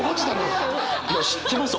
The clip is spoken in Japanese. いや知ってます？